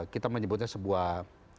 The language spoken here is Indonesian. kita menyebutnya sebuah